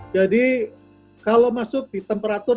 jadi kalau masuk di temperatur